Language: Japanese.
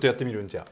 じゃあ。